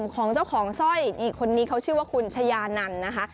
ของเจ้าของสร้อยนี่คนนี้เขาชื่อว่าคุณชายานันนะคะ